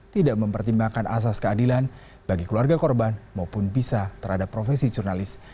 tidak mempertimbangkan asas keadilan bagi keluarga korban maupun bisa terhadap profesi jurnalis